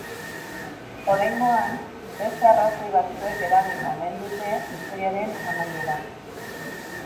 Oraingoan, beste arrazoi batzuek eragin omen dute istorioaren amaiera.